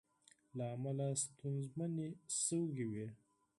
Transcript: له امله ستونزمنې شوې وې